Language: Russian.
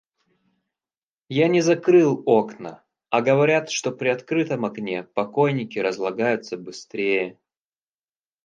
Я не закрыл окна, а говорят, что при открытом окне покойники разлагаются быстрее.